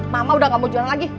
mama udah gak mau jual lagi